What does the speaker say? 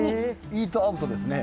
イートアウトですね。